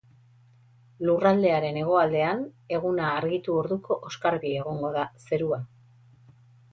Lurraldearen hegoaldean, eguna argitu orduko oskarbi egongo da zerua.